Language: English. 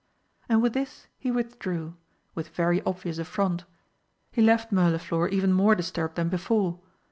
And with this he withdrew, with very obvious affront. He left Mirliflor even more disturbed than before.